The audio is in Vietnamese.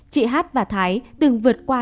chị hát và thái từng vượt qua